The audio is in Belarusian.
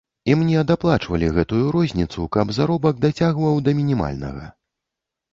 І мне даплачвалі гэтую розніцу, каб заробак дацягваў да мінімальнага.